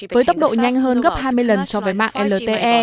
với tốc độ nhanh hơn gấp hai mươi lần so với mạng lte